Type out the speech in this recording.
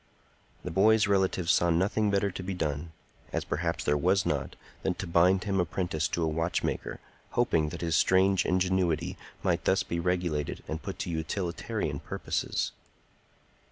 The boy's relatives saw nothing better to be done—as perhaps there was not—than to bind him apprentice to a watchmaker, hoping that his strange ingenuity might thus be regulated and put to utilitarian purposes.